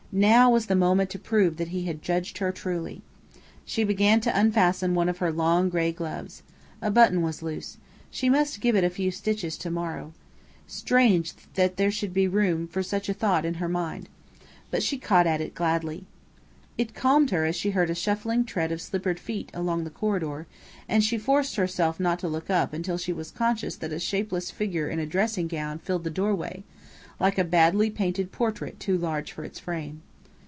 Now was the moment to prove that he had judged her truly! She began to unfasten one of her long gray gloves. A button was loose. She must give it a few stitches to morrow. Strange that there should be room for such a thought in her mind. But she caught at it gladly. It calmed her as she heard a shuffling tread of slippered feet along the corridor; and she forced herself not to look up until she was conscious that a shapeless figure in a dressing gown filled the doorway, like a badly painted portrait too large for its frame.